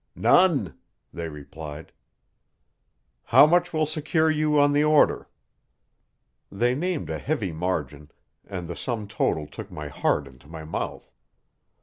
"None," they replied. "How much will secure you on the order?" They named a heavy margin, and the sum total took my heart into my mouth.